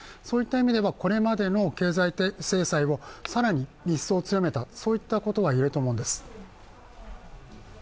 そういった意味ではこれまでの経済制裁を更に一層強めた、そういったことが言えると思うんです。